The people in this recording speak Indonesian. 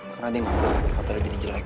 karena dia ngapain kalau hotelnya jadi jelek